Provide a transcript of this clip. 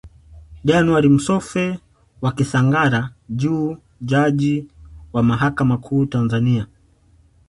Januari Msofe wa Kisangara Juu Jaji wa mahakama kuu Tanzania